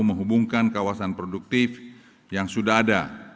menghausmanakan woniliar gained